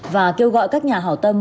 và kêu gọi các nhà hảo tâm